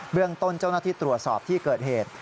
เรื่องต้นเจ้าหน้าที่ตรวจสอบที่เกิดเหตุ